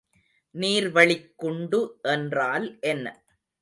நீர்வளிக்குண்டு என்றால் என்ன?